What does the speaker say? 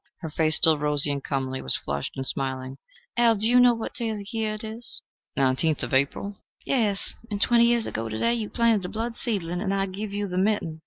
Her face, still rosy and comely, was flushed and smiling: "Al, do you know what day o' the year it is?" "Nineteenth of Aprile?" "Yes; and twenty years ago to day you planted the Blood Seedlin' and I give you the mitten!"